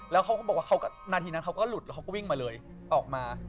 แล้วเขาก็บอกว่านาทีนั้นเขาก็หลุดแล้วเขาก็วิ่งมาเลยออกมา